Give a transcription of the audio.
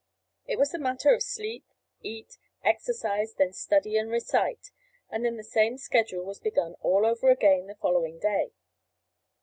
It was a matter of sleep, eat, exercise, then study and recite, and then the same schedule was begun all over again the following day.